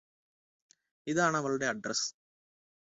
ഇതാണവളുടെ address